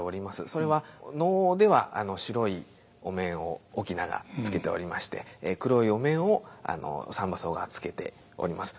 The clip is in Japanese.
それは能では白いお面を翁がつけておりまして黒いお面を三番叟がつけております。